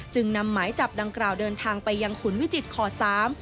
จึงนำไม้จับดังกล่าวเดินทางไปยังขุนวิจิตรคอร์ท๓